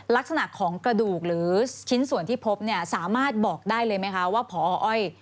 ลักษณะของกระดูกหรือชิ้นส่วนที่พบเนี่ยสามารถบอกได้เลยไหมคะว่าพออ้อย